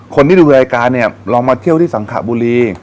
คนที่ดูรายการเนี่ยลองมาเที่ยวที่สังขบุรี